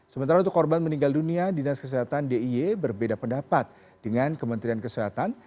sementara untuk korban meninggal dunia dinas kesehatan dia berbeda pendapat dengan kementerian kesehatan